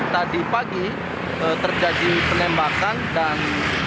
tadi pagi terjadi penembakan dan